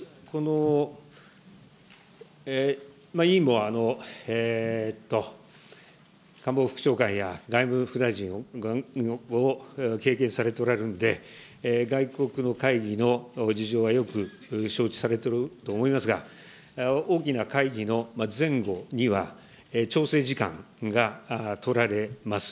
委員も、官房副長官や外務副大臣を経験されておられるので、外国の会議の事情はよく承知されてると思いますが、大きな会議の前後には、調整時間が取られます。